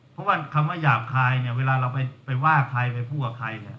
เพราะว่าคำว่าหยาบคายเนี่ยเวลาเราไปว่าใครไปพูดกับใครเนี่ย